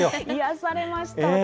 癒やされました。